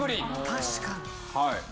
確かに。